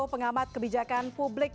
pengamat kebijakan publik